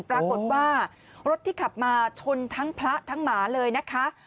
ปรากฏว่ารถที่ขับมาชนทั้งพระทั้งหมาเลยนะคะ